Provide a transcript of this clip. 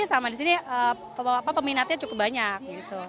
sama di sini peminatnya cukup banyak